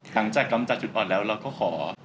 หลังจากกำจัดจุดอ่อนแล้วเราก็ขอ